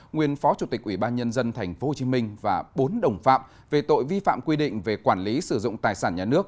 nguyên phó chủ tịch ủy ban nhân dân tp hcm và bốn đồng phạm về tội vi phạm quy định về quản lý sử dụng tài sản nhà nước